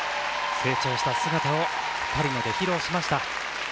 成長した姿をトリノで披露しました。